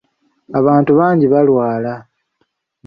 Abantu bangi balwala.